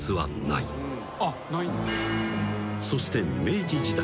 ［そして明治時代。